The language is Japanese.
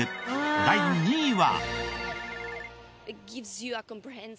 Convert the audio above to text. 第２位は。